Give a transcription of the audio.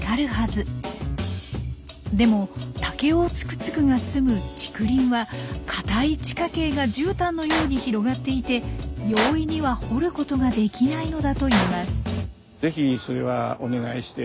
でもタケオオツクツクが住む竹林は硬い地下茎が絨毯のように広がっていて容易には掘ることができないのだといいます。